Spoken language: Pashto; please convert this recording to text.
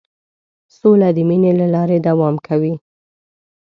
سوله د مینې له لارې دوام کوي.